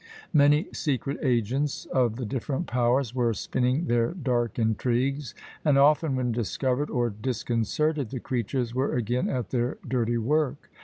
Many secret agents of the different powers were spinning their dark intrigues; and often, when discovered or disconcerted, the creatures were again at their "dirty work."